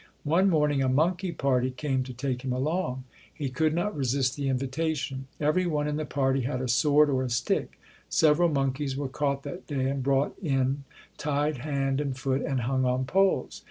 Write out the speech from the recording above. One morn ing a monkey party came to take him along. He could not resist the invitation. Every one in the party had a sword or a stick. Several monkeys were caught that day and brought in tied hand and foot and hung on poles.